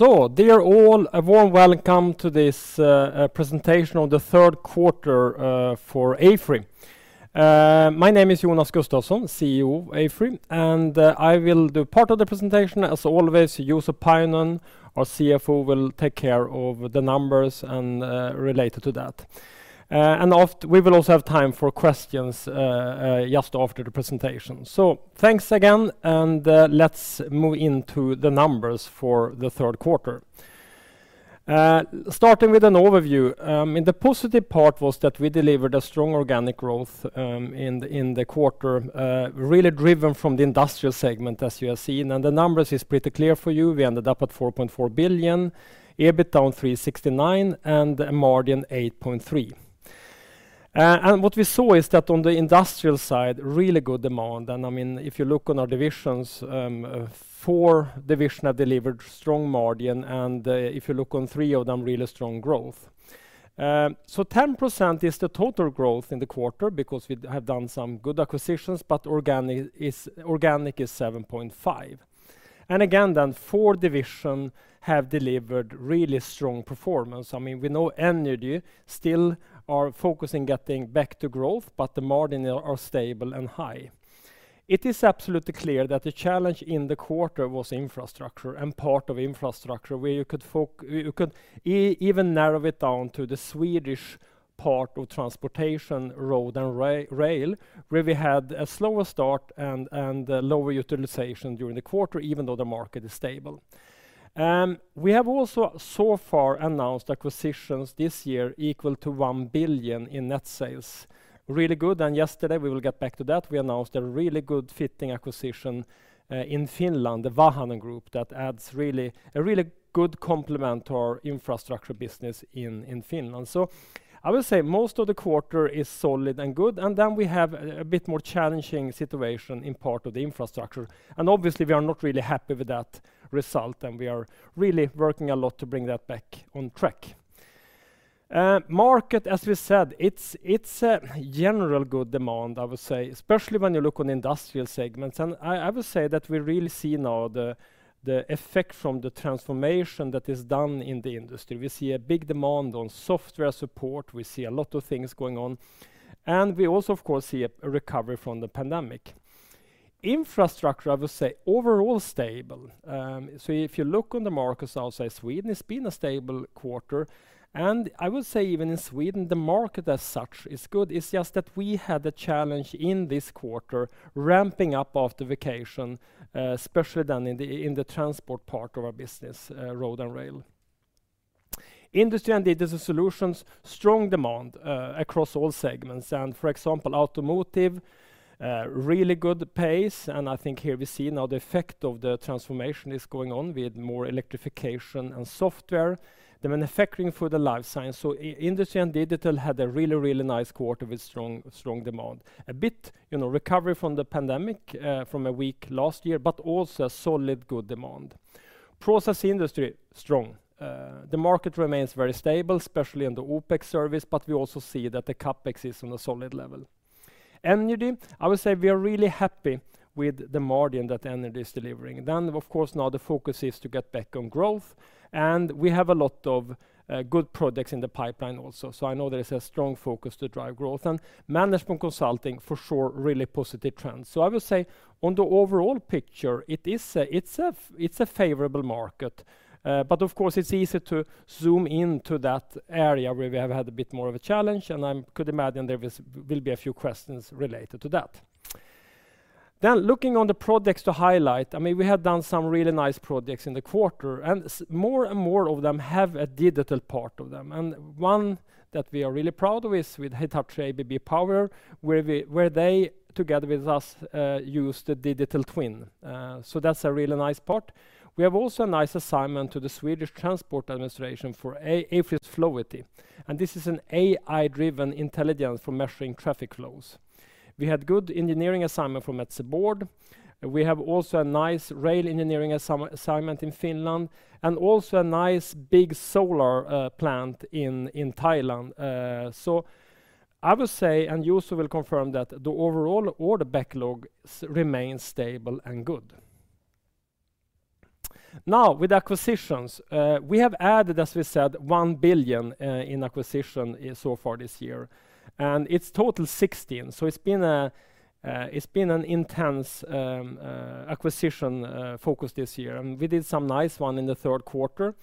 Dear all, a warm welcome to this Presentation of the Third quarter for AFRY. My name is Jonas Gustavsson, CEO of AFRY. I will do part of the presentation. As always, Juuso Pajunen, our CFO, will take care of the numbers and related to that. We will also have time for questions just after the presentation. Thanks again. Let's move into the numbers for the third quarter. Starting with an overview, the positive part was that we delivered a strong organic growth in the quarter, really driven from the industrial segment as you have seen. The numbers is pretty clear for you. We ended up at 4.4 billion, EBIT down 369, a margin 8.3%. What we saw is that on the industrial side, really good demand. If you look on our divisions, four divisions have delivered strong margins, and if you look on three of them, really strong growth. 10% is the total growth in the quarter because we have done some good acquisitions, but organic is 7.5%. Again, four divisions have delivered really strong performance. We know energy still are focusing getting back to growth, but the margins are stable and high. It is absolutely clear that the challenge in the quarter was infrastructure and part of infrastructure where you could even narrow it down to the Swedish part of transportation, road, and rail, where we had a slower start and lower utilization during the quarter, even though the market is stable. We have also so far announced acquisitions this year equal to 1 billion in net sales. Really good. Yesterday, we will get back to that, we announced a really good fitting acquisition in Finland, the Vahanen Group, that adds a really good complement to our infrastructure business in Finland. I would say most of the quarter is solid and good, and then we have a bit more challenging situation in part of the infrastructure. Obviously, we are not really happy with that result, and we are really working a lot to bring that back on track. Market, as we said, it's a general good demand, I would say, especially when you look on industrial segments. I would say that we really see now the effect from the transformation that is done in the industry. We see a big demand on software support. We see a lot of things going on, and we also, of course, see a recovery from the pandemic. Infrastructure, I would say, overall stable. If you look on the markets outside Sweden, it's been a stable quarter. I would say even in Sweden, the market as such is good. It's just that we had a challenge in this quarter ramping up after vacation, especially down in the transport part of our business, road, and rail. Industry and digital solutions, strong demand across all segments. For example, automotive, really good pace, and I think here we see now the effect of the transformation is going on with more electrification and software. The manufacturing for the life science. Industry and digital had a really, really nice quarter with strong demand. A bit recovery from the pandemic, from a weak last year, but also a solid good demand. Process industry, strong. The market remains very stable, especially in the OPEX service, but we also see that the CapEx is on a solid level. Energy, I would say we are really happy with the margin that energy is delivering. Of course, now the focus is to get back on growth, and we have a lot of good projects in the pipeline also. Management consulting, for sure, really positive trends. I would say on the overall picture, it's a favorable market. Of course, it's easy to zoom into that area where we have had a bit more of a challenge, and I could imagine there will be a few questions related to that. Looking on the projects to highlight. We have done some really nice projects in the quarter, and more and more of them have a digital part of them. One that we are really proud of is with Hitachi ABB Power Grids, where they, together with us, use the digital twin. That's a really nice part. We have also a nice assignment to the Swedish Transport Administration for AFRY's Flowity, this is an AI-driven intelligence for measuring traffic flows. We had good engineering assignment from Älvsborg. We have also a nice rail engineering assignment in Finland, also a nice big solar plant in Thailand. I would say, Juuso will confirm, that the overall order backlog remains stable and good. Now, with acquisitions. We have added, as we said, 1 billion in acquisition so far this year, it's total 16. It's been an intense acquisition focus this year. We did some nice one in the third quarter.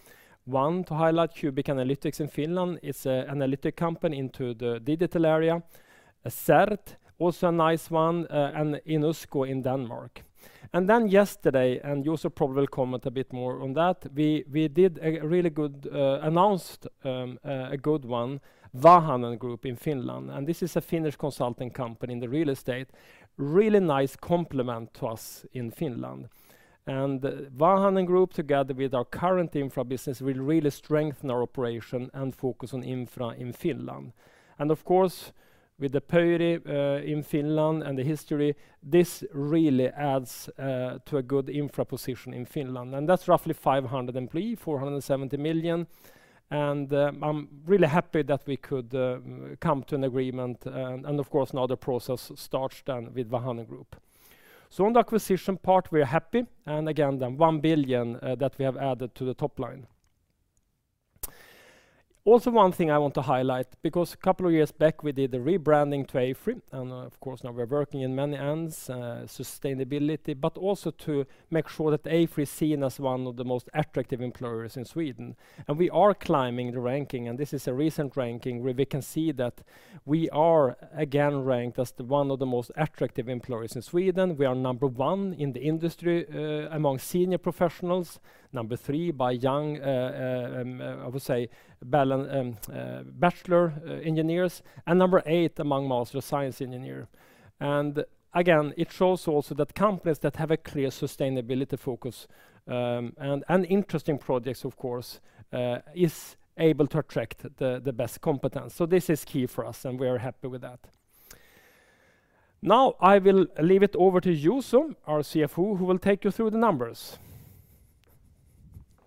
One to highlight, Cubiq Analytics in Finland. It's an analytics company into the digital area. Zert AB, also a nice one, and [INSUCO in Denmark. Yesterday, Juuso probably will comment a bit more on that, we announced a good one, Vahanen Group in Finland. This is a Finnish consulting company in the real estate. Really nice complement to us in Finland. Vahanen Group, together with our current infra business, will really strengthen our operation and focus on infra in Finland. Of course, with the Pöyry in Finland and the history, this really adds to a good infra position in Finland. That's roughly 500 employees, 470 million. I'm really happy that we could come to an agreement, and of course, now the process starts then with Vahanen Group. On the acquisition part, we are happy. Again, the 1 billion that we have added to the top line. Also, one thing I want to highlight, because a couple of years back we did the rebranding to AFRY, and of course, now we're working in many ends, sustainability, but also to make sure that AFRY is seen as one of the most attractive employers in Sweden. We are climbing the ranking, and this is a recent ranking where we can see that we are again ranked as one of the most attractive employers in Sweden. We are number one in the industry among senior professionals, number three by young, I would say, bachelor engineers, and number eight among master of science engineer. Again, it shows also that companies that have a clear sustainability focus and interesting projects, of course, is able to attract the best competence. This is key for us, and we are happy with that. Now I will leave it over to Juuso, our CFO, who will take you through the numbers.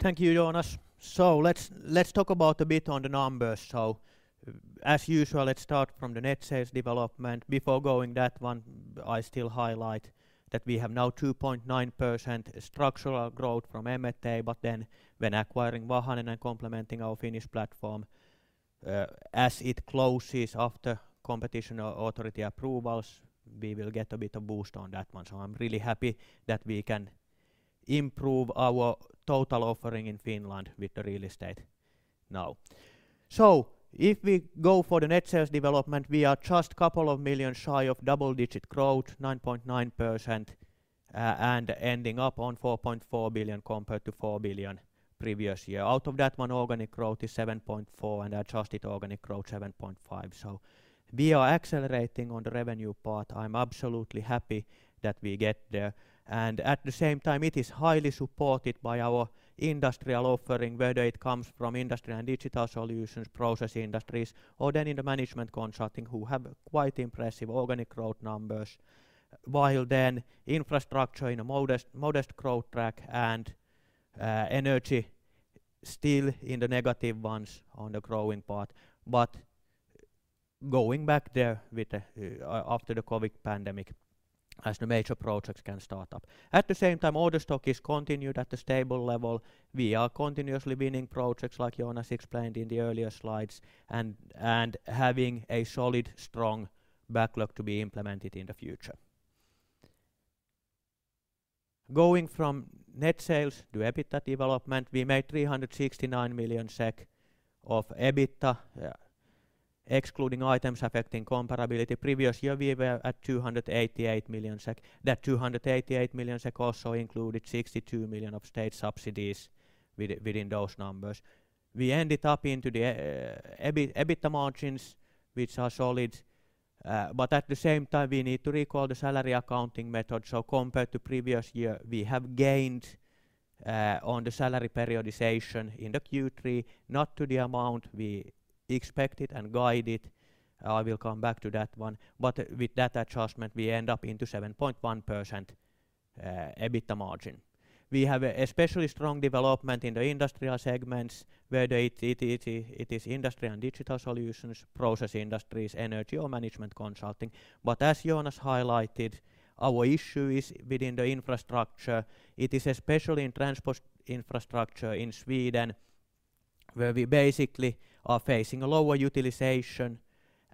Thank you, Jonas. Let's talk about a bit on the numbers. As usual, let's start from the net sales development. Before going that one, I still highlight that we have now 2.9% structural growth from M&A, but then when acquiring Vahanen and complementing our Finnish platform as it closes after competition authority approvals, we will get a bit of boost on that one. I'm really happy that we can improve our total offering in Finland with the real estate now. If we go for the net sales development, we are just couple of million shy of double-digit growth, 9.9%, and ending up on 4.4 billion compared to 4 billion previous year. Out of that one, organic growth is 7.4% and adjusted organic growth 7.5%. We are accelerating on the revenue part. I'm absolutely happy that we get there. At the same time, it is highly supported by our industrial offering, whether it comes from industry and digital solutions, process industries, or in the management consulting who have quite impressive organic growth numbers, while infrastructure in a modest growth track and energy still in the negative ones on the growing part. Going back there after the COVID pandemic, as the major projects can start up. At the same time, order stock is continued at a stable level. We are continuously winning projects like Jonas explained in the earlier slides and having a solid, strong backlog to be implemented in the future. Going from net sales to EBITDA development, we made 369 million SEK of EBITDA, excluding items affecting comparability. Previous year, we were at 288 million SEK. That 288 million SEK also included 62 million of state subsidies within those numbers. We ended up into the EBITDA margins, which are solid. At the same time, we need to recall the salary accounting method. Compared to previous year, we have gained on the salary periodization in the Q3, not to the amount we expected and guided. I will come back to that one. With that adjustment, we end up into 7.1% EBITDA margin. We have especially strong development in the industrial segments, whether it is industry and digital solutions, process industries, energy or management consulting. As Jonas highlighted, our issue is within the infrastructure. It is especially in transport infrastructure in Sweden, where we basically are facing a lower utilization.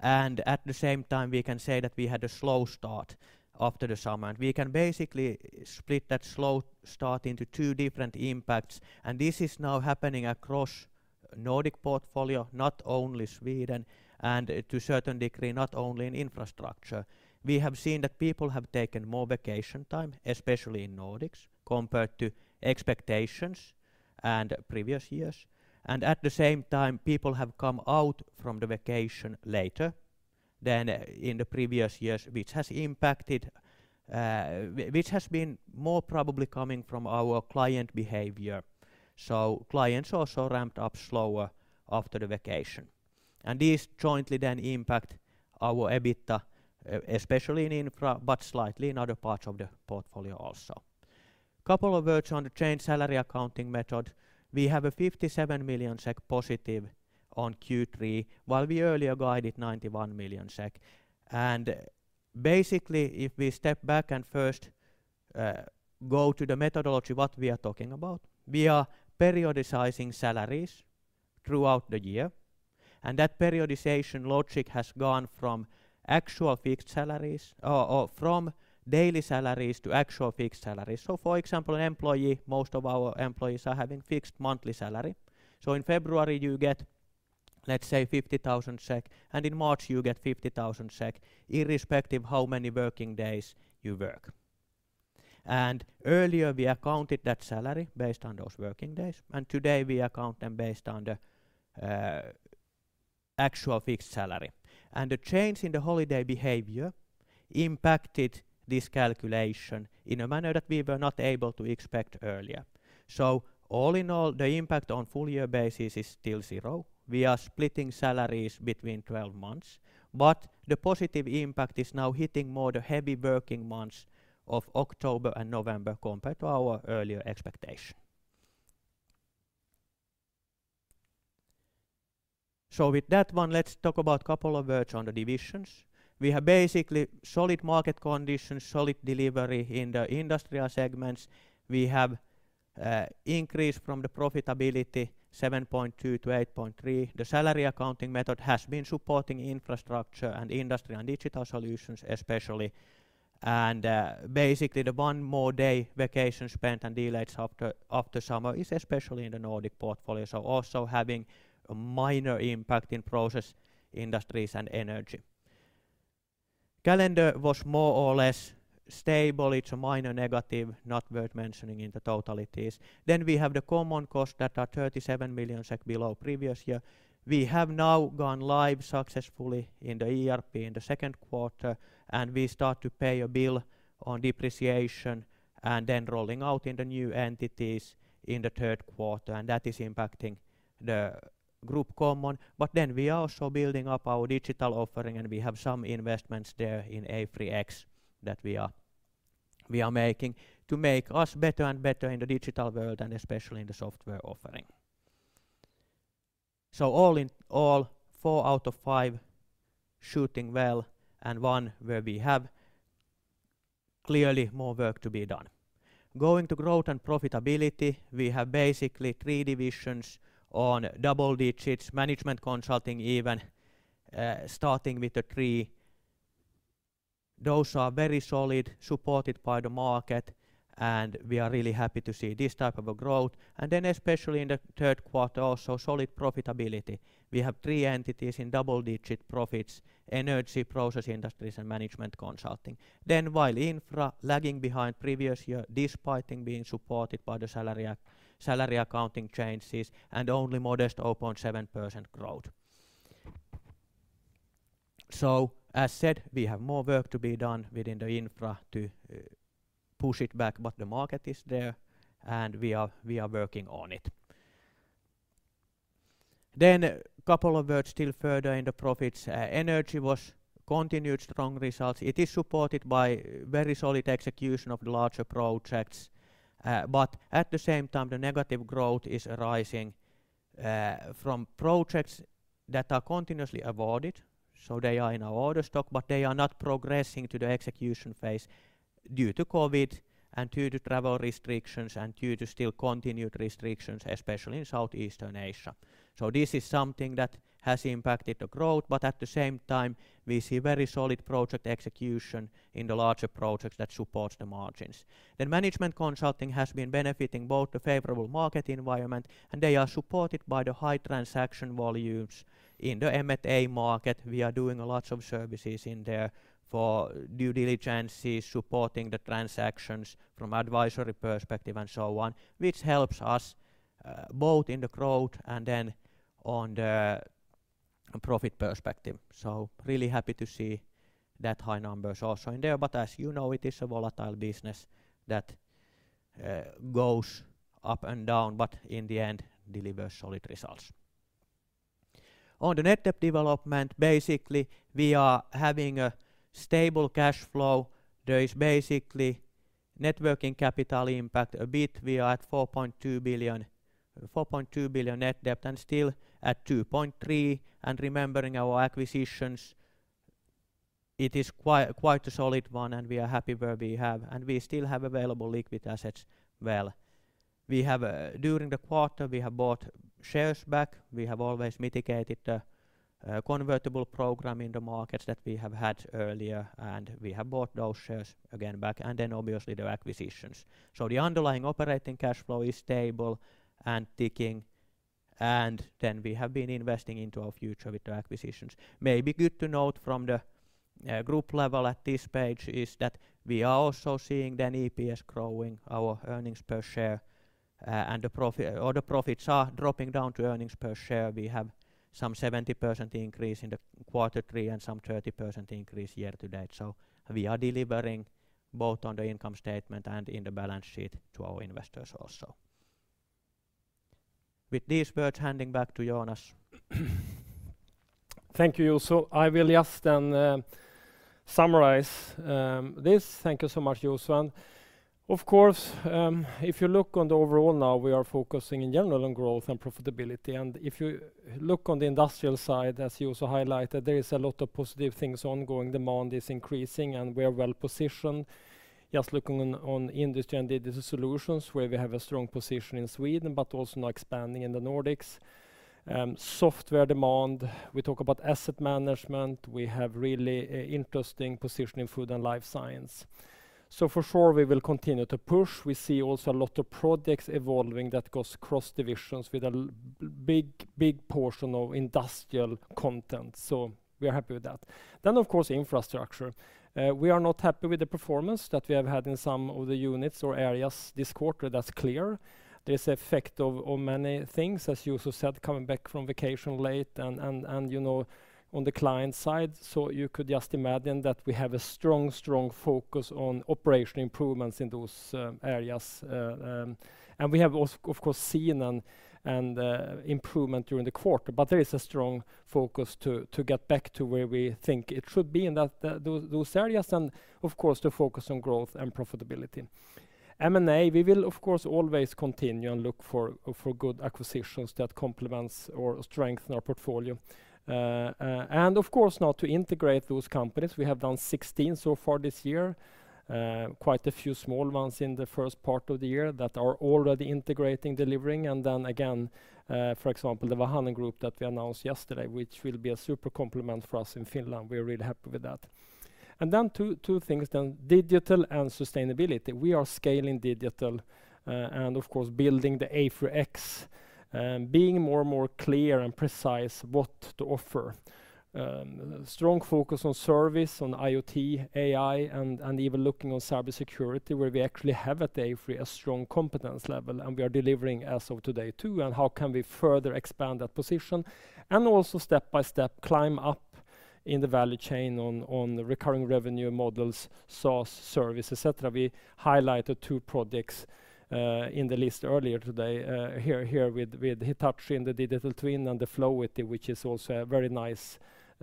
At the same time, we can say that we had a slow start after the summer, and we can basically split that slow start into two different impacts. This is now happening across Nordic portfolio, not only Sweden and to a certain degree, not only in infrastructure. We have seen that people have taken more vacation time, especially in Nordics, compared to expectations and previous years. At the same time, people have come out from the vacation later than in the previous years, which has been more probably coming from our client behavior. Clients also ramped up slower after the vacation. These jointly impact our EBITDA, especially in infra, but slightly in other parts of the portfolio also. Couple of words on the change salary accounting method. We have a 57 million SEK positive on Q3, while we earlier guided 91 million SEK. Basically, if we step back and first go to the methodology, what we are talking about, we are periodicizing salaries throughout the year, and that periodization logic has gone from daily salaries to actual fixed salaries. For example, an employee, most of our employees are having fixed monthly salary. In February you get, let's say 50,000 SEK, and in March you get 50,000 SEK irrespective how many working days you work. Earlier we accounted that salary based on those working days, and today we account them based on the actual fixed salary. The change in the holiday behavior impacted this calculation in a manner that we were not able to expect earlier. All in all, the impact on full year basis is still zero. We are splitting salaries between 12 months, but the positive impact is now hitting more the heavy working months of October and November compared to our earlier expectation. With that one, let's talk about a couple of words on the divisions. We have basically solid market conditions, solid delivery in the industrial segments. We have increase from the profitability 7.2%-8.3%. The salary accounting method has been supporting infrastructure and industry and digital solutions especially. Basically, the one more day vacation spent and delays after summer is especially in the Nordic portfolio, so also having a minor impact in process industries and energy. Calendar was more or less stable. It's a minor negative, not worth mentioning in the totalities. We have the common costs that are 37 million SEK below previous year. We have now gone live successfully in the ERP in the second quarter. We start to pay a bill on depreciation and then rolling out in the new entities in the third quarter. That is impacting the group common. We are also building up our digital offering, and we have some investments there in AFRY X that we are making to make us better and better in the digital world and especially in the software offering. All in all, four out of five shooting well and one where we have clearly more work to be done. Going to growth and profitability, we have basically three divisions on double digits, Management Consulting even starting with the three. Those are very solid, supported by the market, and we are really happy to see this type of a growth. Especially in the third quarter also, solid profitability. We have three entities in double-digit profits, Energy, Process Industries, and Management Consulting. While Infra lagging behind previous year, despite being supported by the salary accounting changes and only modest 0.7% growth. As said, we have more work to be done within the Infra to push it back, but the market is there and we are working on it. A couple of words still further in the profits. Energy was continued strong results. It is supported by very solid execution of the larger projects. At the same time, the negative growth is arising from projects that are continuously awarded. They are in our order stock, but they are not progressing to the execution phase due to COVID and due to travel restrictions and due to still continued restrictions, especially in Southeast Asia. This is something that has impacted the growth, but at the same time, we see very solid project execution in the larger projects that supports the margins. Management Consulting has been benefiting both the favorable market environment, and they are supported by the high transaction volumes in the M&A market. We are doing lots of services in there for due diligencies, supporting the transactions from advisory perspective and so on, which helps us both in the growth and then on the profit perspective. Really happy to see that high numbers also in there. As you know, it is a volatile business that goes up and down but in the end delivers solid results. On the net debt development, basically, we are having a stable cash flow. There is basically networking capital impact a bit. We are at 4.2 billion net debt and still at 2.3 and remembering our acquisitions, it is quite a solid one, and we are happy where we have, and we still have available liquid assets well. During the quarter, we have bought shares back. We have always mitigated the convertible program in the markets that we have had earlier, and we have bought those shares again back, and then obviously the acquisitions. The underlying operating cash flow is stable and ticking, and then we have been investing into our future with the acquisitions. Maybe good to note from the group level at this page is that we are also seeing then EPS growing our earnings per share or the profits are dropping down to earnings per share. We have some 70% increase in the quarter three and some 30% increase year to date. We are delivering both on the income statement and in the balance sheet to our investors also. With these words, handing back to Jonas. Thank you, Juuso. I will just summarize this. Thank you so much, Juuso. Of course, if you look on the overall now, we are focusing in general on growth and profitability. If you look on the industrial side, as Juuso highlighted, there is a lot of positive things ongoing. Demand is increasing, and we are well-positioned. Just looking on Industry and Digital Solutions, where we have a strong position in Sweden but also now expanding in the Nordics. Software demand, we talk about asset management. We have really interesting position in food and life science. For sure, we will continue to push. We see also a lot of projects evolving that goes cross divisions with a big portion of industrial content. We are happy with that. Of course, infrastructure. We are not happy with the performance that we have had in some of the units or areas this quarter. That's clear. There's effect of many things, as Juuso said, coming back from vacation late and on the client side. You could just imagine that we have a strong focus on operational improvements in those areas. We have also, of course, seen an improvement during the quarter, but there is a strong focus to get back to where we think it should be in those areas and of course, to focus on growth and profitability. M&A, we will, of course, always continue and look for good acquisitions that complement or strengthen our portfolio. Of course, now to integrate those companies. We have done 16 so far this year, quite a few small ones in the first part of the year that are already integrating, delivering. For example, the Vahanen Group that we announced yesterday, which will be a super complement for us in Finland. We are really happy with that. Two things, digital and sustainability. We are scaling digital, and of course, building the AFRY X, being more and more clear and precise what to offer. Strong focus on service, on IoT, AI, and even looking on cybersecurity, where we actually have at AFRY a strong competence level, and we are delivering as of today, too, and how can we further expand that position. Step by step, climb up in the value chain on the recurring revenue models, SaaS service, et cetera. We highlighted two projects in the list earlier today. Here with Hitachi and the digital twin and the Flowity, which is also a very nice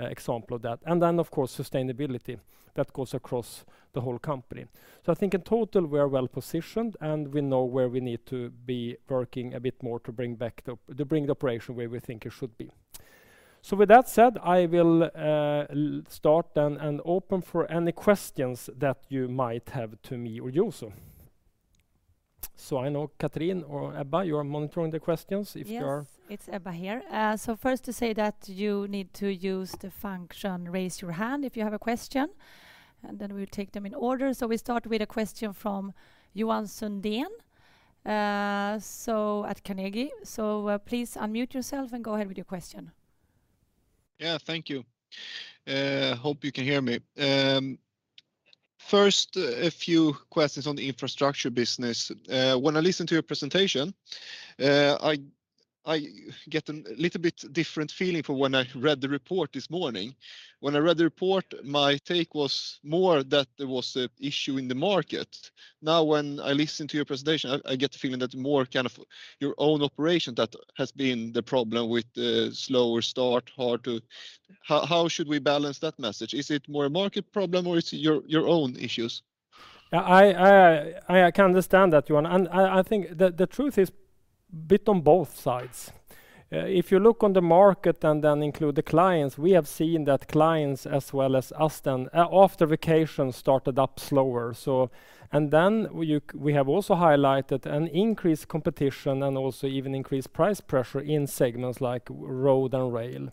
example of that. Of course, sustainability, that goes across the whole company. I think in total, we are well-positioned, and we know where we need to be working a bit more to bring the operation where we think it should be. With that said, I will start and open for any questions that you might have to me or Juuso. I know Katrin or Ebba, you are monitoring the questions. Yes. It's Ebba here. First to say that you need to use the function raise your hand if you have a question, and then we'll take them in order. We start with a question from Johan Sundén at Carnegie. Please unmute yourself and go ahead with your question. Yeah. Thank you. Hope you can hear me. First, a few questions on the infrastructure business. When I listen to your presentation, I get a little bit different feeling from when I read the report this morning. When I read the report, my take was more that there was a issue in the market. When I listen to your presentation, I get the feeling that more your own operation that has been the problem with the slower start. How should we balance that message? Is it more a market problem, or it's your own issues? I can understand that, Johan. I think the truth is bit on both sides. If you look on the market and then include the clients, we have seen that clients as well as us, then, after vacation, started up slower. We have also highlighted an increased competition and also even increased price pressure in segments like road and rail.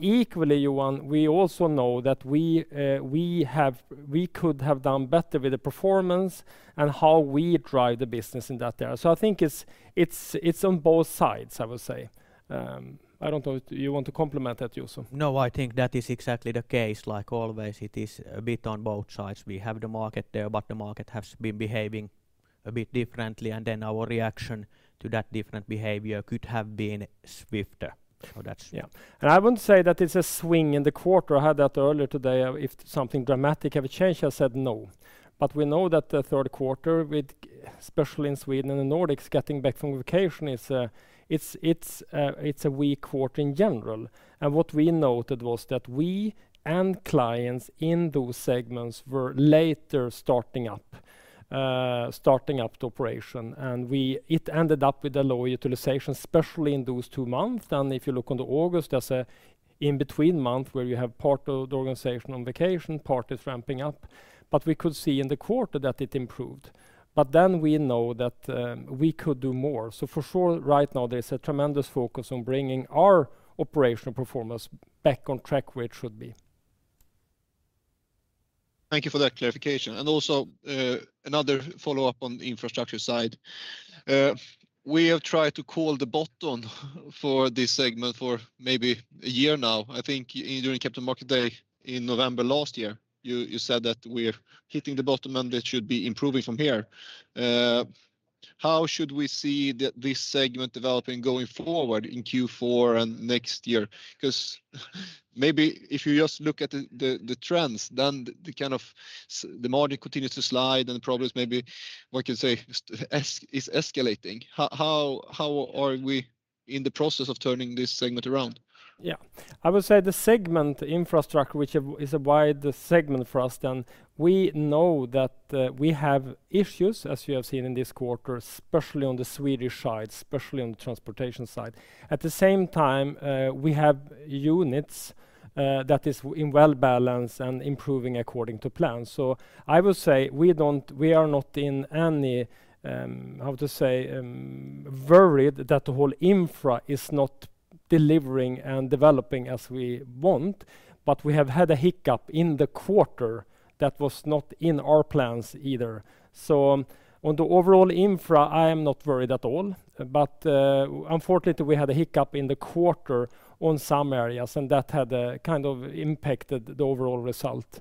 Equally, Johan, we also know that we could have done better with the performance and how we drive the business in that area. I think it's on both sides, I would say. I don't know. You want to complement that, Juuso? No, I think that is exactly the case. Like always, it is a bit on both sides. We have the market there, but the market has been behaving a bit differently, and then our reaction to that different behavior could have been swifter. Yeah. I wouldn't say that it's a swing in the quarter. I had that earlier today, if something dramatic have changed. I said no. We know that the third quarter, especially in Sweden and the Nordics, getting back from vacation, it's a weak quarter in general. What we noted was that we and clients in those segments were later starting up the operation, and it ended up with a low utilization, especially in those two months. If you look on the August, there's a in-between month where you have part of the organization on vacation, part is ramping up. We could see in the quarter that it improved. We know that we could do more. For sure, right now, there's a tremendous focus on bringing our operational performance back on track where it should be. Thank you for that clarification. Also, another follow-up on the infrastructure side. We have tried to call the bottom for this segment for maybe a year now. I think during Capital Market Day in November last year, you said that we're hitting the bottom and that should be improving from here. How should we see this segment developing going forward in Q4 and next year? Maybe if you just look at the trends, then the market continues to slide, and the problems maybe one can say, is escalating. How are we in the process of turning this segment around? Yeah. I would say the segment infrastructure, which is a wide segment for us, then we know that we have issues, as you have seen in this quarter, especially on the Swedish side, especially on the transportation side. At the same time, we have units that is in well-balanced and improving according to plan. I would say we are not in any, how to say, worried that the whole infra is not delivering and developing as we want, but we have had a hiccup in the quarter that was not in our plans either. On the overall infra, I am not worried at all, but unfortunately, we had a hiccup in the quarter on some areas, and that had impacted the overall result.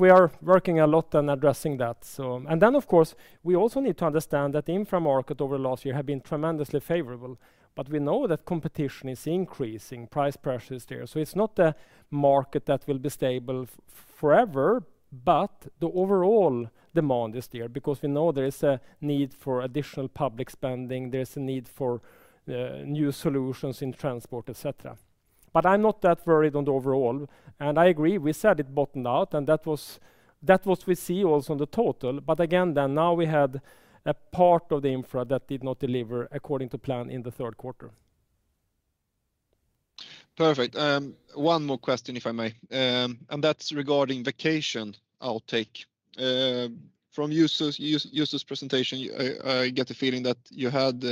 We are working a lot on addressing that. Of course, we also need to understand that the infra market over the last year have been tremendously favorable, we know that competition is increasing, price pressure is there. It's not a market that will be stable forever, the overall demand is there because we know there is a need for additional public spending, there's a need for new solutions in transport, et cetera. I'm not that worried on the overall, and I agree, we said it bottomed out, and that was we see also on the total. Again, then now we had a part of the infra that did not deliver according to plan in the third quarter. Perfect. One more question, if I may, that's regarding vacation outtake. From Juuso's presentation, I get the feeling that you had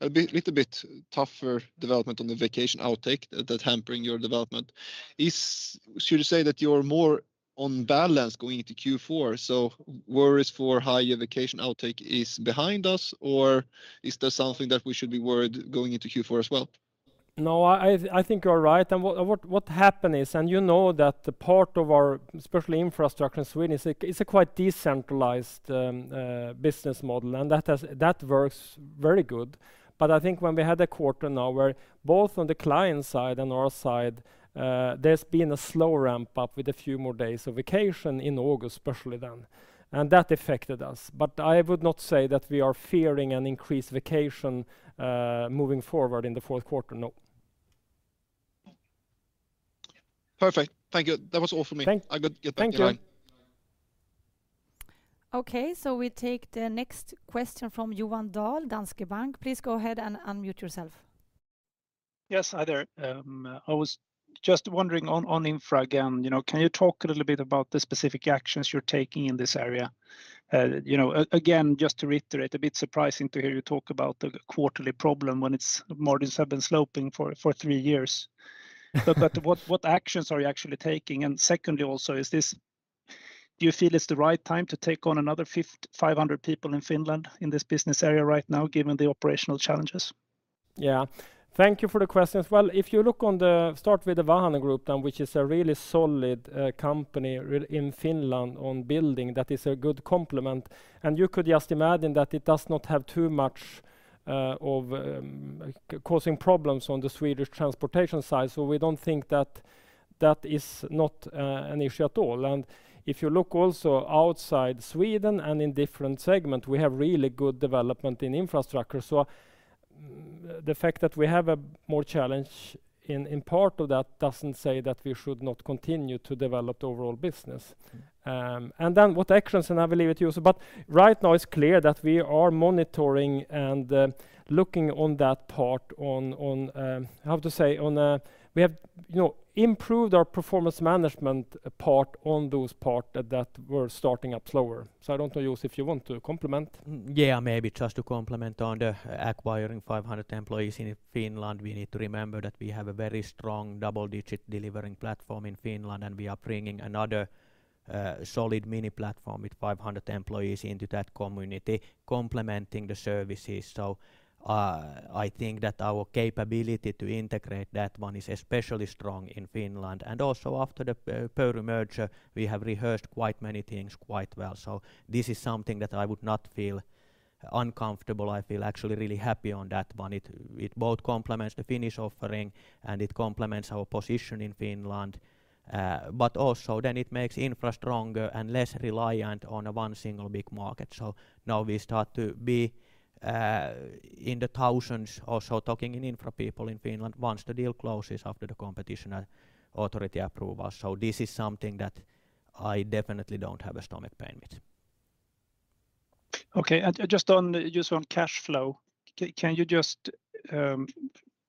a little bit tougher development on the vacation outtake that's hampering your development. Should you say that you're more on balance going into Q4, worries for higher vacation outtake is behind us, or is there something that we should be worried going into Q4 as well? No, I think you're right. What happened is, you know that the part of our, especially infrastructure in Sweden is a quite decentralized business model, and that works very good. I think when we had a quarter now where both on the client side and our side, there's been a slow ramp-up with a few more days of vacation in August, especially then. That affected us. I would not say that we are fearing an increased vacation moving forward in the fourth quarter. No. Perfect. Thank you. That was all from me. Thank you. I could get back to you later. Okay, we take the next question from Johan Dahl, Danske Bank. Please go ahead and unmute yourself. Yes. Hi there. I was just wondering on infra again. Can you talk a little bit about the specific actions you're taking in this area? Again, just to reiterate, a bit surprising to hear you talk about the quarterly problem when it's more this have been sloping for three years. What actions are you actually taking? Secondly, also, do you feel it's the right time to take on another 500 people in Finland in this business area right now, given the operational challenges? Thank you for the questions. If you look on the start with the Vahanen Group, which is a really solid company in Finland on building that is a good complement, and you could just imagine that it does not have too much of causing problems on the Swedish transportation side. We don't think that is not an issue at all. If you look also outside Sweden and in different segment, we have really good development in infrastructure. The fact that we have a more challenge in part of that doesn't say that we should not continue to develop the overall business. What actions, I will leave it to you. Right now it's clear that we are monitoring and looking on that part, how to say, on we have improved our performance management part on those parts that were starting up slower. I don't know, Juuso, if you want to complement. Yeah, maybe just to complement on the acquiring 500 employees in Finland. We need to remember that we have a very strong double-digit delivering platform in Finland, and we are bringing another solid mini platform with 500 employees into that community complementing the services. I think that our capability to integrate that one is especially strong in Finland. Also after the Pöyry merger, we have rehearsed quite many things quite well. This is something that I would not feel uncomfortable. I feel actually really happy on that one. It both complements the Finnish offering and it complements our position in Finland. Also, then it makes infra stronger and less reliant on a one single big market. Now we start to be in the thousands also talking in infra people in Finland once the deal closes after the competition authority approval. This is something that I definitely don't have a stomach pain with. Okay. Just on cash flow, can you just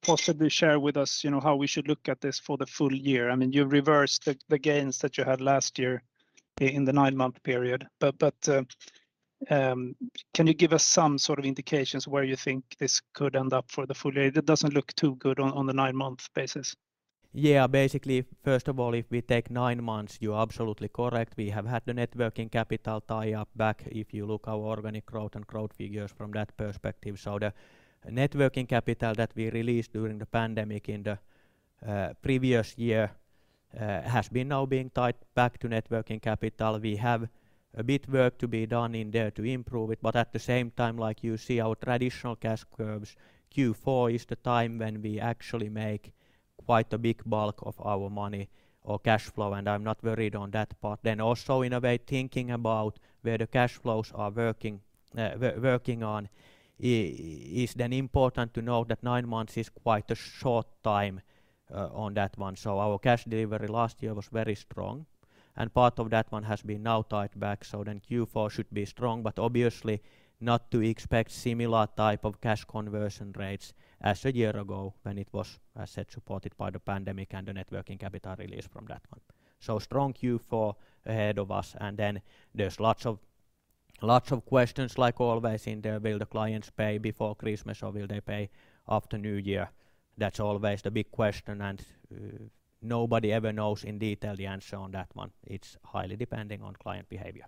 possibly share with us how we should look at this for the full year? You reversed the gains that you had last year in the nine-month period. Can you give us some sort of indications where you think this could end up for the full year? That doesn't look too good on the nine-month basis. Yeah. Basically, first of all, if we take nine months, you're absolutely correct. We have had the net working capital tie-up back if you look our organic growth and growth figures from that perspective. The net working capital that we released during the pandemic in the previous year has been now being tied back to net working capital. We have a bit work to be done in there to improve it, at the same time, like you see our traditional cash curves, Q4 is the time when we actually make quite a big bulk of our money or cash flow, I'm not worried on that part. Also, in a way thinking about where the cash flows are working on, is then important to know that nine months is quite a short time on that one. Our cash delivery last year was very strong, and part of that one has been now tied back. Q4 should be strong, but obviously not to expect similar type of cash conversion rates as a year ago when it was, as said, supported by the pandemic and the networking capital release from that one. Strong Q4 ahead of us, and then there's lots of questions like always in there. Will the clients pay before Christmas, or will they pay after New Year? That's always the big question, and nobody ever knows in detail the answer on that one. It's highly depending on client behavior.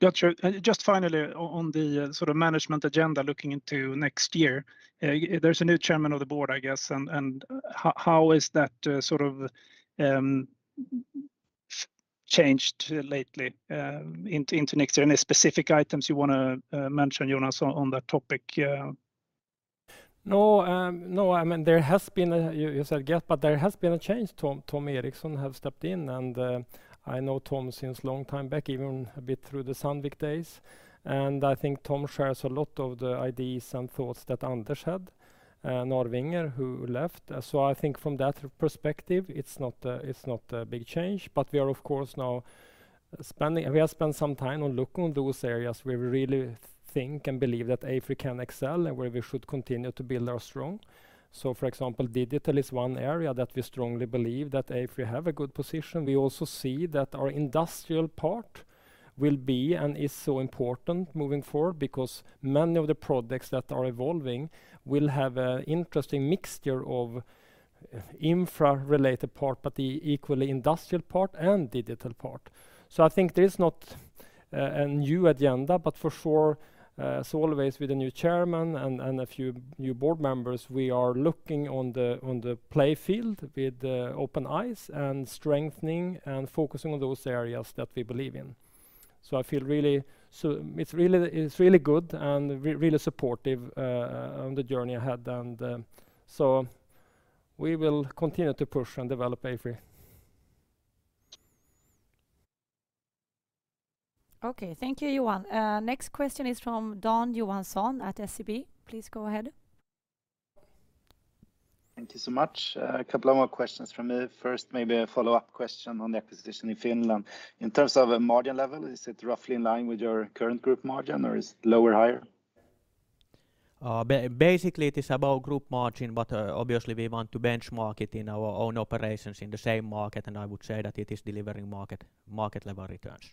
Got you. Just finally on the sort of management agenda looking into next year, there's a new Chairman of the Board, I guess, and how is that sort of changed lately into next year? Any specific items you want to mention, Jonas, on that topic? No. There has been, you said yes, but there has been a change. Tom Erixon has stepped in, and I know Tom since long time back, even a bit through the Sandvik days. I think Tom shares a lot of the ideas and thoughts that Anders Narvinger had, who left. I think from that perspective, it's not a big change. We are, of course, now spending some time on looking on those areas where we really think and believe that AFRY can excel and where we should continue to build our strong. For example, digital is one area that we strongly believe that AFRY have a good position. We also see that our industrial part will be and is so important moving forward because many of the products that are evolving will have an interesting mixture of infra-related part, but the equally industrial part and digital part. I think there is not a new agenda, but for sure, as always with a new chairman and a few new board members, we are looking on the play field with open eyes and strengthening and focusing on those areas that we believe in. It's really good and really supportive on the journey ahead, and so we will continue to push and develop AFRY. Okay. Thank you, Johan. Next question is from Dan Johansson at SEB. Please go ahead. Thank you so much. A couple of more questions from me. First, maybe a follow-up question on the acquisition in Finland. In terms of a margin level, is it roughly in line with your current group margin, or is it lower, higher? Basically, it is about group margin, but obviously we want to benchmark it in our own operations in the same market, and I would say that it is delivering market-level returns.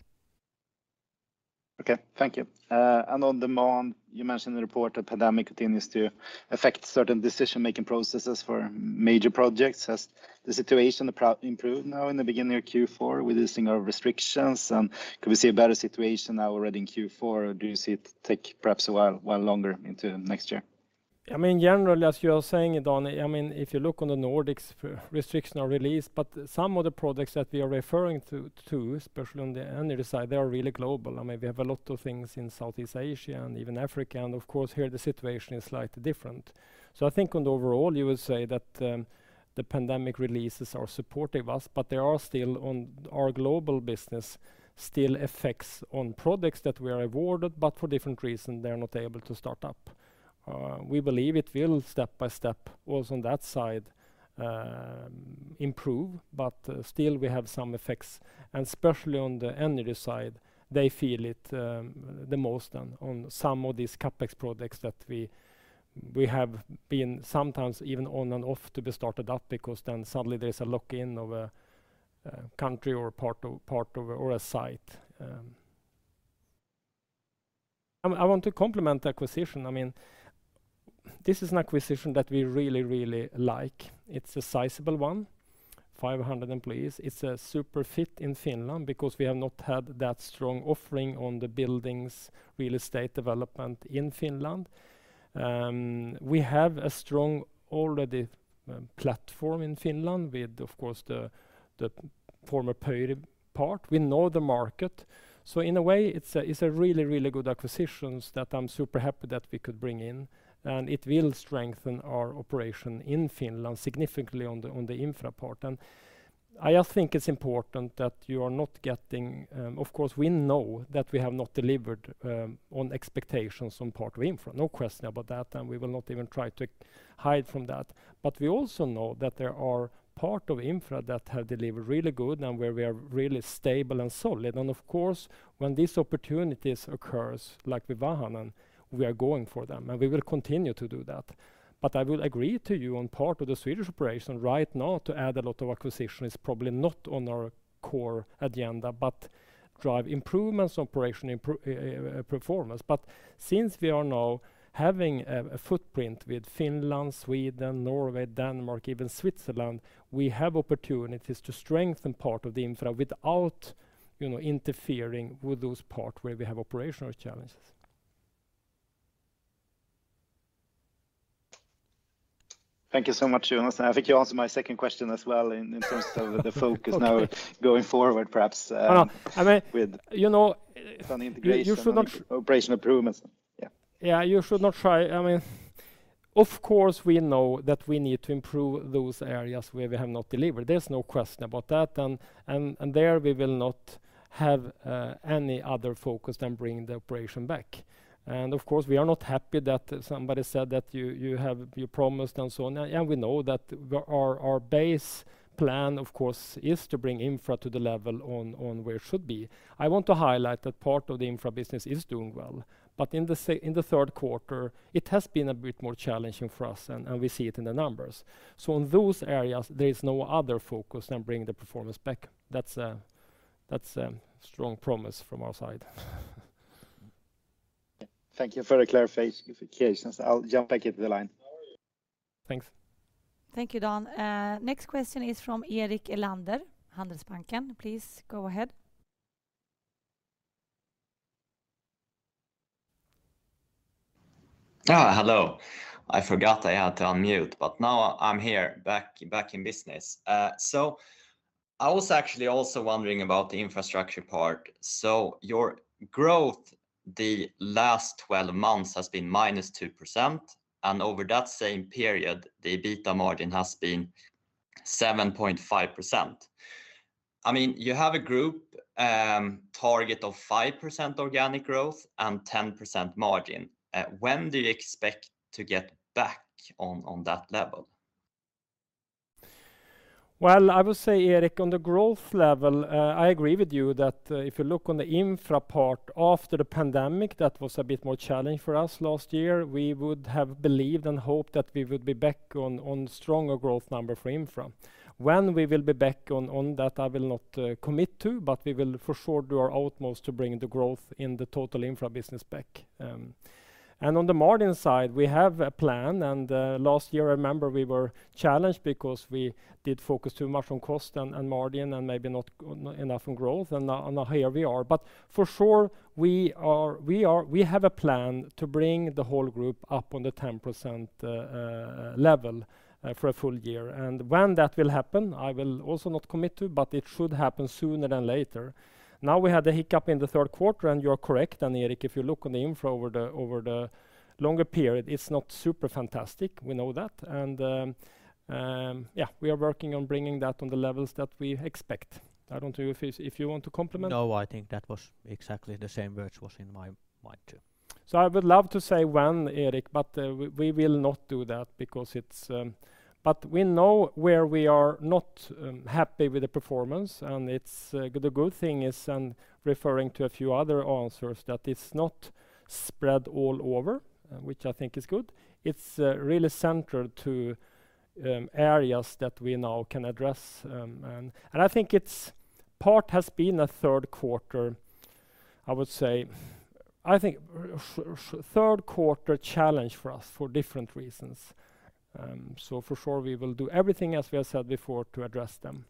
Okay. Thank you. On demand, you mentioned the report that pandemic continues to affect certain decision-making processes for major projects. Has the situation improved now in the beginning of Q4 with the simple restrictions, and could we see a better situation now already in Q4, or do you see it take perhaps a while longer into next year? Generally, as you are saying, Dan, if you look on the Nordics, restrictions are released, but some of the products that we are referring to, especially on the energy side, they are really global. We have a lot of things in Southeast Asia and even Africa, and of course, here the situation is slightly different. I think on the overall, you will say that the pandemic releases are supportive us, but there are still, on our global business, still effects on products that we are awarded, but for different reason, they are not able to start up. We believe it will step by step, also on that side, improve, but still we have some effects, and especially on the energy side, they feel it the most on some of these CapEx projects that we have been sometimes even on and off to be started up because then suddenly there is a lock-in of a country or a site. I want to compliment the acquisition. This is an acquisition that we really, really like. It is a sizable one, 500 employees. It is a super fit in Finland because we have not had that strong offering on the buildings, real estate development in Finland. We have a strong, already, platform in Finland with, of course, the former Pöyry part. We know the market. In a way, it's a really, really good acquisitions that I'm super happy that we could bring in, and it will strengthen our operation in Finland significantly on the infra part. I think it's important that you are not getting. Of course, we know that we have not delivered on expectations on part of infra. No question about that, and we will not even try to hide from that. We also know that there are part of infra that have delivered really good and where we are really stable and solid, and of course, when these opportunities occurs, like with Vahanen, we are going for them, and we will continue to do that. I will agree to you on part of the Swedish operation right now to add a lot of acquisition is probably not on our core agenda, but drive improvements, operation performance. Since we are now having a footprint with Finland, Sweden, Norway, Denmark, even Switzerland, we have opportunities to strengthen part of the infra without interfering with those part where we have operational challenges. Thank you so much, Johan. I think you answered my second question as well in terms of the focus now going forward, perhaps. No With an integration. You should not- Operational improvements. Yeah. You should not try. Of course, we know that we need to improve those areas where we have not delivered. There's no question about that. There we will not have any other focus than bringing the operation back. Of course, we are not happy that somebody said that you promised and so on. We know that our base plan, of course, is to bring infra to the level on where it should be. I want to highlight that part of the infra business is doing well, but in the third quarter, it has been a bit more challenging for us, and we see it in the numbers. In those areas, there is no other focus than bringing the performance back. That's a strong promise from our side. Thank you for the clarifications. I'll jump back into the line. Thanks. Thank you, Dan. Next question is from Erik Elander, Handelsbanken. Please go ahead. Hello. I forgot I had to unmute, but now I'm here, back in business. I was also wondering about the infrastructure part. Your growth the last 12 months has been -2%. Over that same period, the EBITDA margin has been 7.5%. You have a group target of 5% organic growth and 10% margin. When do you expect to get back on that level? I would say, Erik, on the growth level, I agree with you that if you look on the infra part after the pandemic, that was a bit more challenging for us last year. We would have believed and hoped that we would be back on stronger growth numbers for infra. When we will be back on that, I will not commit to, but we will for sure do our utmost to bring the growth in the total infra business back. On the margin side, we have a plan, and last year, I remember we were challenged because we did focus too much on cost and margin and maybe not enough on growth, and now here we are. For sure, we have a plan to bring the whole group up on the 10% level for a full year. When that will happen, I will also not commit to, but it should happen sooner than later. Now we had the hiccup in the third quarter, and you are correct, Erik, if you look on the infra over the longer period, it's not super fantastic. We know that. We are working on bringing that on the levels that we expect. I don't know if you want to complement. No, I think that was exactly the same words was in my mind, too. I would love to say when, Erik, but we will not do that. We know where we are not happy with the performance, and the good thing is, and referring to a few other answers, that it's not spread all over, which I think is good. It's really central to areas that we now can address. I think it's part has been a third quarter, I would say. I think third quarter challenge for us for different reasons. For sure we will do everything as we have said before to address them.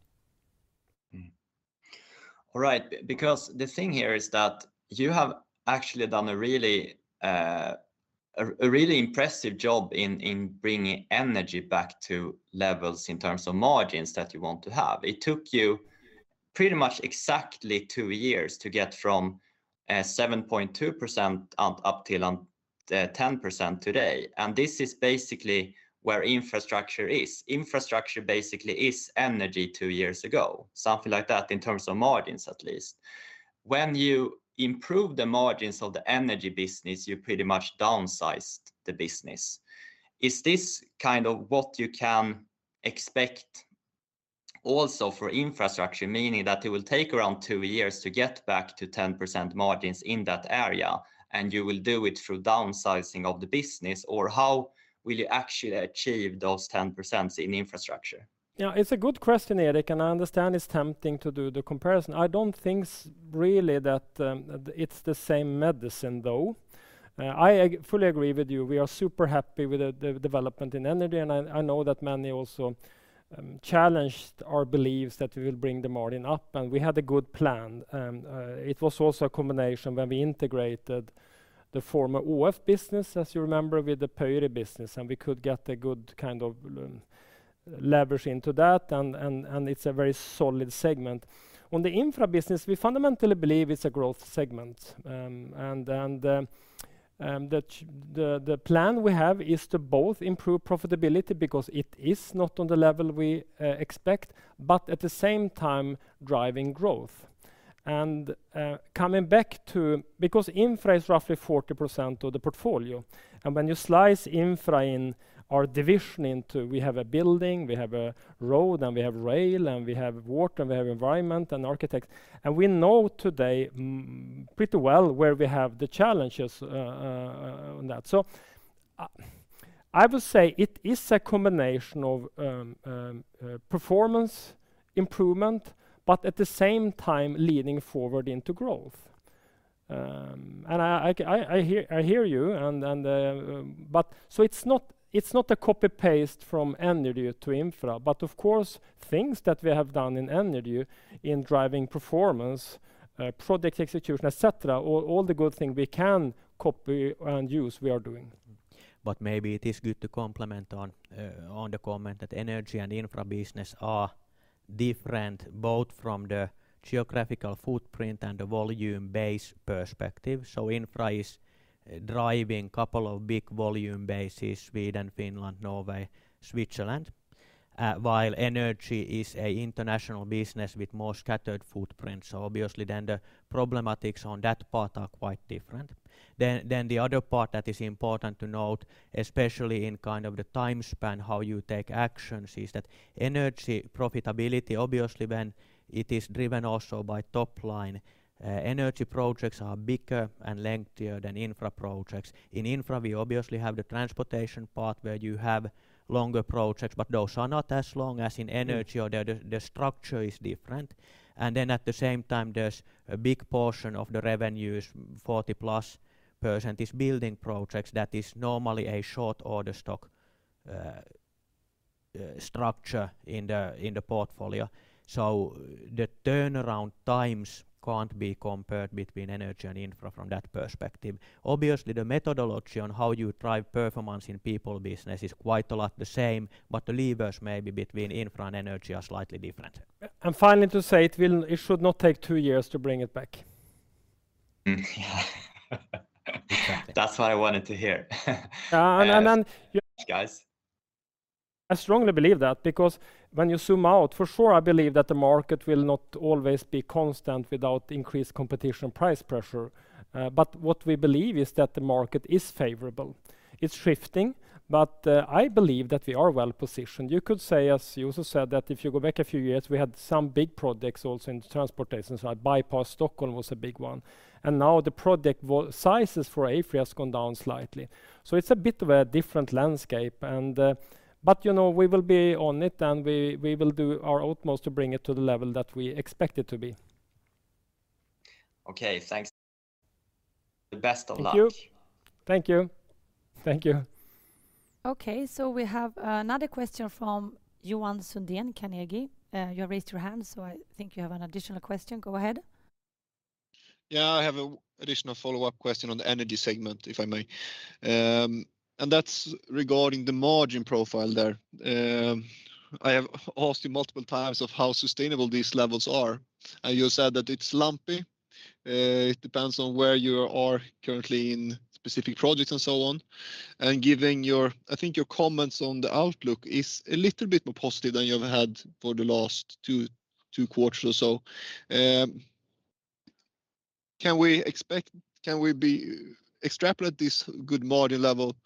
The thing here is that you have actually done a really impressive job in bringing energy back to levels in terms of margins that you want to have. It took you pretty much exactly two years to get from 7.2% up to 10% today. This is basically where infrastructure is. Infrastructure basically is energy two years ago, something like that in terms of margins at least. When you improve the margins of the energy business, you pretty much downsized the business. Is this kind of what you can expect also for infrastructure, meaning that it will take around two years to get back to 10% margins in that area, and you will do it through downsizing of the business, or how will you actually achieve those 10% in infrastructure? It's a good question, Erik. I understand it's tempting to do the comparison. I don't think really that it's the same medicine, though. I fully agree with you. We are super happy with the development in energy. I know that many also challenged our beliefs that we will bring the margin up. We had a good plan. It was also a combination when we integrated the former ÅF business, as you remember, with the Pöyry business. We could get a good kind of leverage into that. It's a very solid segment. On the infra business, we fundamentally believe it's a growth segment. The plan we have is to both improve profitability because it is not on the level we expect, but at the same time driving growth. Coming back to, because infra is roughly 40% of the portfolio, and when you slice infra in our division into we have a building, we have a road, and we have rail, and we have water, and we have environment and architects, and we know today pretty well where we have the challenges on that. I would say it is a combination of performance improvement, but at the same time leading forward into growth. I hear you, so it's not a copy-paste from energy to infra, but of course, things that we have done in energy in driving performance, project execution, et cetera, all the good things we can copy and use, we are doing. Maybe it is good to complement on the comment that energy and infra business are different both from the geographical footprint and the volume base perspective. Infra is driving couple of big volume bases, Sweden, Finland, Norway, Switzerland, while energy is a international business with more scattered footprints. Obviously the problematics on that part are quite different. The other part that is important to note, especially in kind of the time span, how you take actions, is that energy profitability, obviously, when it is driven also by top line, energy projects are bigger and lengthier than infra projects. In infra, we obviously have the transportation part where you have longer projects, but those are not as long as in energy, or the structure is different. At the same time, there's a big portion of the revenues, 40+% is building projects. That is normally a short order stock structure in the portfolio. The turnaround times can't be compared between energy and infra from that perspective. Obviously, the methodology on how you drive performance in people business is quite a lot the same, but the levers maybe between infra and energy are slightly different. Finally, to say it should not take two years to bring it back. That's what I wanted to hear. And then- Thanks, guys. I strongly believe that because when you zoom out, for sure, I believe that the market will not always be constant without increased competition, price pressure. What we believe is that the market is favorable. It's shifting, but I believe that we are well-positioned. You could say, as Juuso said, that if you go back a few years, we had some big projects also in transportation. Förbifart Stockholm was a big one, and now the project sizes for AFRY has gone down slightly. It's a bit of a different landscape, but we will be on it, and we will do our utmost to bring it to the level that we expect it to be. Okay, thanks. The best of luck. Thank you. Thank you. Thank you. Okay, we have another question from Johan Sundén, Carnegie. You raised your hand, I think you have an additional question. Go ahead. Yeah, I have an additional follow-up question on the energy segment, if I may. That's regarding the margin profile there. I have asked you multiple times of how sustainable these levels are, and you said that it's lumpy. It depends on where you are currently in specific projects and so on. Given your, I think your comments on the outlook is a little bit more positive than you've had for the last two quarters or so. Can we extrapolate this good margin level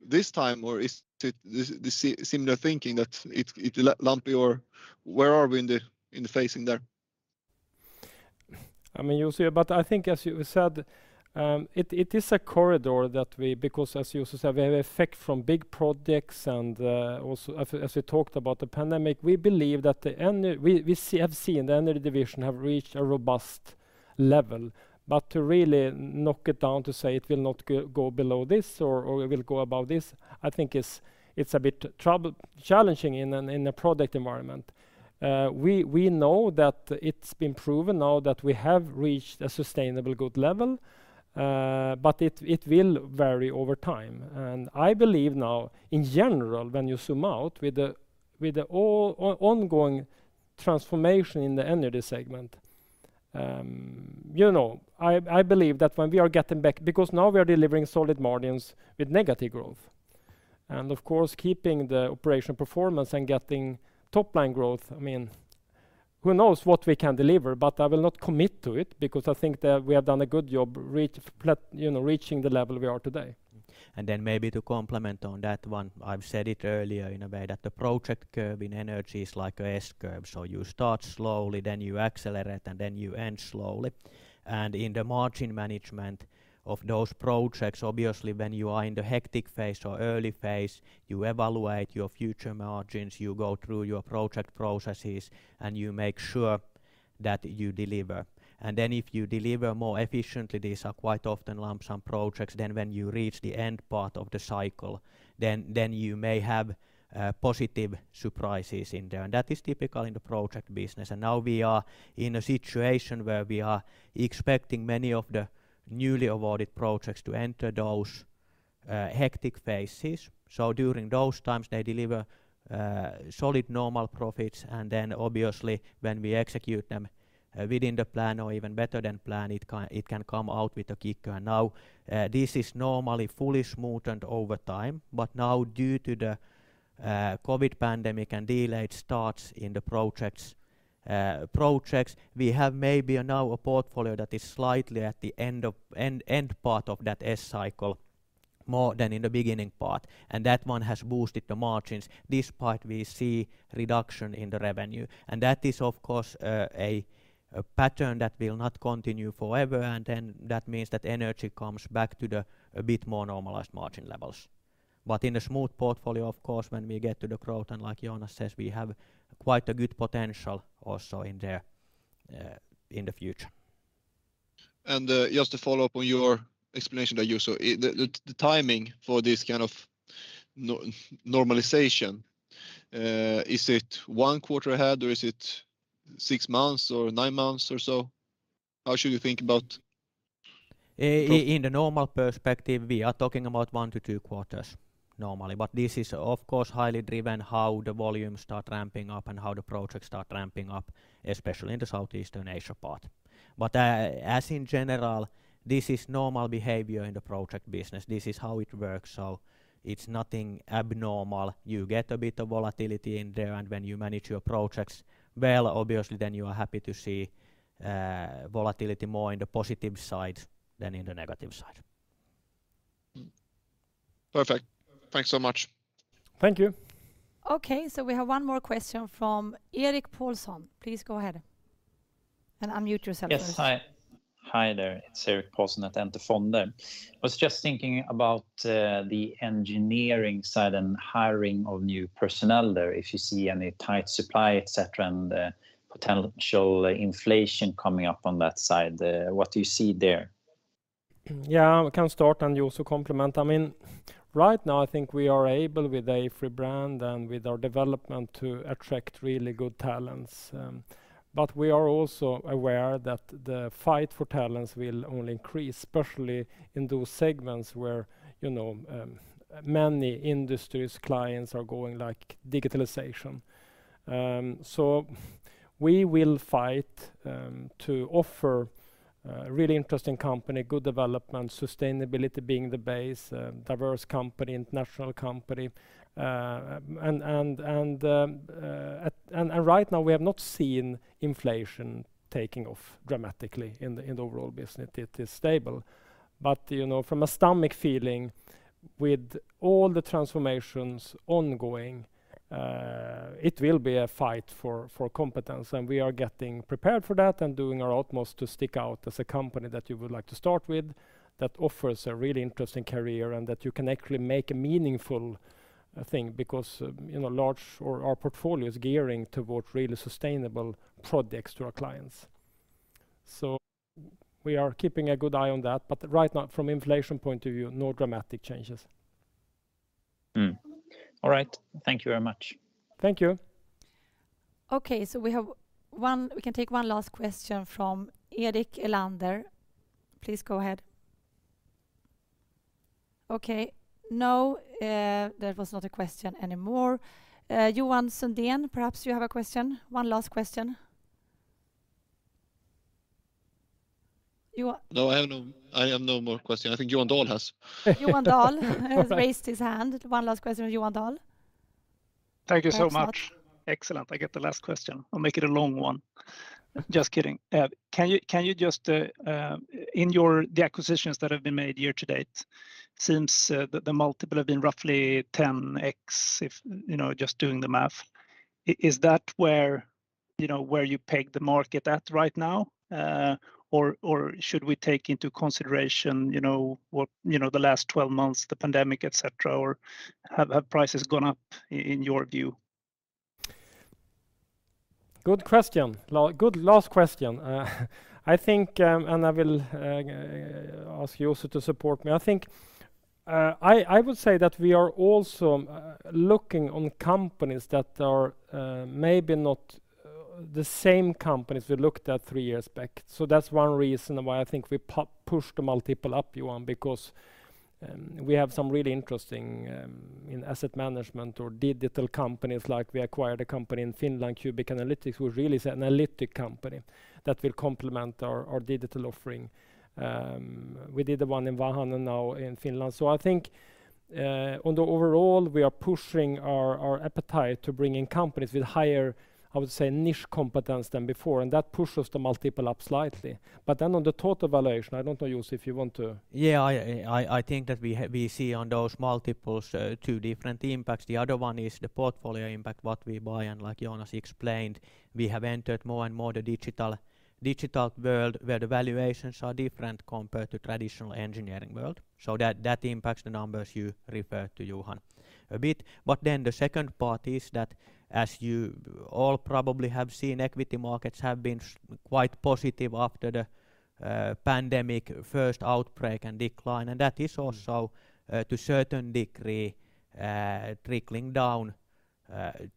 this time, or is it the similar thinking that it's lumpy, or where are we in the phasing there? I think as you said, it is a corridor that we, because as Juuso said, we have effect from big projects and as we talked about the pandemic, we believe that we have seen the energy division have reached a robust level. To really knock it down to say it will not go below this, or it will go above this, I think it's a bit challenging in a project environment. We know that it's been proven now that we have reached a sustainable, good level, but it will vary over time. I believe now, in general, when you zoom out with the ongoing transformation in the energy segment, I believe that when we are getting back, because now we are delivering solid margins with negative growth. Of course, keeping the operational performance and getting top-line growth, who knows what we can deliver, but I will not commit to it because I think that we have done a good job reaching the level we are today. Maybe to complement on that one, I've said it earlier in a way that the project curve in energy is like a S curve. You start slowly, then you accelerate, and then you end slowly. In the margin management of those projects, obviously, when you are in the hectic phase or early phase, you evaluate your future margins, you go through your project processes, and you make sure that you deliver. If you deliver more efficiently, these are quite often lump-sum projects, then when you reach the end part of the cycle, then you may have positive surprises in there. That is typical in the project business. Now we are in a situation where we are expecting many of the newly awarded projects to enter those hectic phases. During those times, they deliver solid normal profits, and then obviously when we execute them within the plan or even better than plan, it can come out with a kicker. This is normally fully smoothed over time, but now due to the COVID pandemic and delayed starts in the projects, we have maybe now a portfolio that is slightly at the end part of that S cycle more than in the beginning part. That one has boosted the margins despite we see reduction in the revenue. That is, of course, a pattern that will not continue forever, and then that means that energy comes back to the bit more normalized margin levels. In a smooth portfolio, of course, when we get to the growth, and like Jonas says, we have quite a good potential also in there in the future. Just to follow up on your explanation there, Juuso, the timing for this kind of normalization, is it one quarter ahead or is it six months or nine months or so? How should we think about- In the normal perspective, we are talking about one to two quarters normally, this is of course, highly driven how the volumes start ramping up and how the projects start ramping up, especially in the Southeastern Asia part. As in general, this is normal behavior in the project business. This is how it works, it's nothing abnormal. You get a bit of volatility in there, when you manage your projects well, obviously, then you are happy to see volatility more in the positive side than in the negative side. Perfect. Thanks so much. Thank you. Okay, we have one more question from Erik Paulsson. Please go ahead. Unmute yourself first. Yes. Hi there. It's Erik Paulsson at Enter Fonder. I was just thinking about the engineering side and hiring of new personnel there, if you see any tight supply, et cetera, and potential inflation coming up on that side. What do you see there? Yeah, I can start and Juuso complement. Right now, I think we are able with AFRY brand and with our development to attract really good talents. We are also aware that the fight for talents will only increase, especially in those segments where many industries, clients are going digitalization. We will fight to offer a really interesting company, good development, sustainability being the base, diverse company, international company. Right now we have not seen inflation taking off dramatically in the overall business. It is stable. From a stomach feeling, with all the transformations ongoing, it will be a fight for competence, and we are getting prepared for that and doing our utmost to stick out as a company that you would like to start with, that offers a really interesting career, and that you can actually make a meaningful thing because our portfolio is gearing towards really sustainable products to our clients. We are keeping a good eye on that, but right now, from inflation point of view, no dramatic changes. All right. Thank you very much. Thank you. Okay, we can take one last question from Erik Elander. Please go ahead. Okay. No, that was not a question anymore. Johan Sundén, perhaps you have a question? One last question. Johan. No, I have no more question. I think Johan Dahl has. Johan Dahl has raised his hand. One last question with Johan Dahl. Thank you so much. Excellent, I get the last question. I'll make it a long one. Just kidding. In the acquisitions that have been made year to date, seems the multiple have been roughly 10x if just doing the math. Is that where you peg the market at right now? Or should we take into consideration the last 12 months, the pandemic, et cetera, or have prices gone up in your view? Good last question. I think, I will ask Juuso to support me. I would say that we are also looking on companies that are maybe not the same companies we looked at three years back. That's one reason why I think we pushed the multiple up, Johan, because we have some really interesting in asset management or digital companies, like we acquired a company in Finland, Cubiq Analytics, who really is an analytic company that will complement our digital offering. We did the one in Vahanen now in Finland. I think on the overall, we are pushing our appetite to bring in companies with higher, I would say, niche competence than before, that pushes the multiple up slightly. On the total valuation, I don't know, Juuso, if you want to Yeah, I think that we see on those multiples two different impacts. The other one is the portfolio impact, what we buy, and like Jonas explained, we have entered more and more the digital world where the valuations are different compared to traditional engineering world. That impacts the numbers you referred to, Johan, a bit. The second part is that as you all probably have seen, equity markets have been quite positive after the pandemic first outbreak and decline, and that is also to certain degree trickling down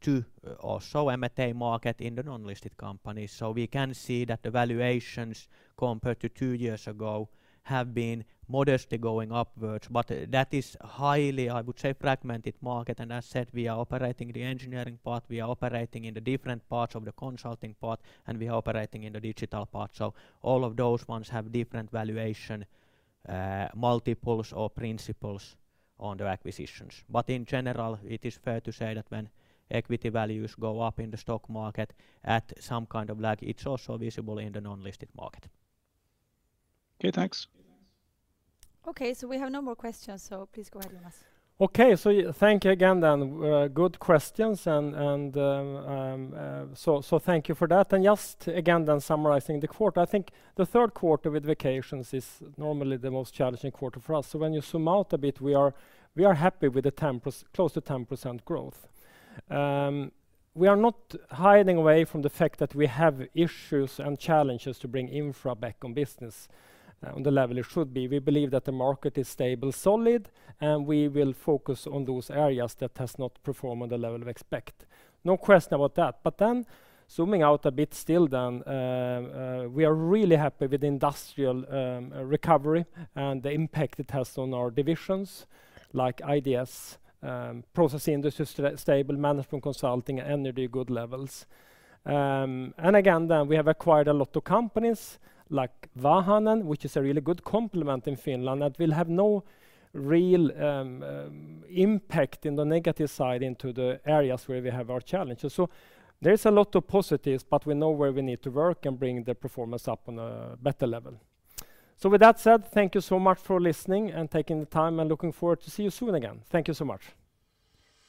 to also M&A market in the non-listed companies. We can see that the valuations compared to two years ago have been modestly going upwards. That is highly, I would say, fragmented market, and as said, we are operating the engineering part, we are operating in the different parts of the consulting part, and we are operating in the digital part. All of those ones have different valuation multiples or principles on the acquisitions. In general, it is fair to say that when equity values go up in the stock market at some kind of lag, it is also visible in the non-listed market. Okay, thanks. Okay, we have no more questions, please go ahead, Jonas. Okay, thank you again then. Good questions. Thank you for that. Just again, then summarizing the quarter, I think the third quarter with vacations is normally the most challenging quarter for us. When you zoom out a bit, we are happy with close to 10% growth. We are not hiding away from the fact that we have issues and challenges to bring Infra back on business on the level it should be. We believe that the market is stable, solid, and we will focus on those areas that has not performed on the level we expect. No question about that. Zooming out a bit still then, we are really happy with the industrial recovery and the impact it has on our divisions like IDS, Process Industries, stable Management Consulting, Energy good levels. Again, then we have acquired a lot of companies like Vahanen, which is a really good complement in Finland that will have no real impact in the negative side into the areas where we have our challenges. There's a lot of positives, but we know where we need to work and bring the performance up on a better level. With that said, thank you so much for listening and taking the time, and looking forward to see you soon again. Thank you so much.